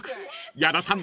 ［矢田さん